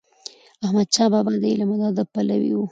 احمد شاه بابا د علم او ادب پلوی و.